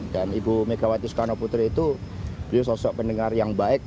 dan ibu megawati soekarno putri itu dia sosok pendengar yang baik